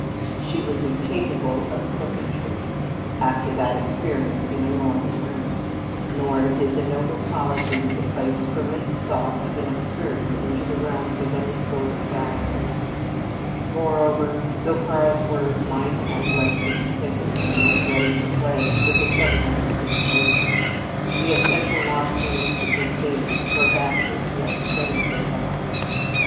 She was incapable of coquetry after that experience in Honora's room; nor did the noble solitude of the place permit the thought of an excursion into the realms of any sort of dalliance. Moreover, though Karl's words might have led her to think of him as ready to play with a sentimental situation, the essential loftiness of his gaze forbade her to entertain the thought.